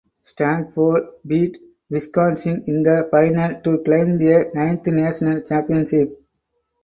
Stanford beat Wisconsin in the final to claim their ninth national championship.